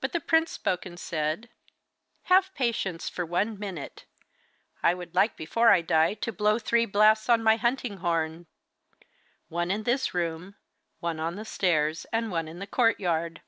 But the prince spoke and said: 'Have patience for one minute. I would like before I die to blow three blasts on my hunting horn one in this room, one on the stairs, and one in the courtyard.